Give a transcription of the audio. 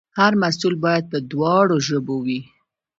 هر محصول باید په دواړو ژبو وي.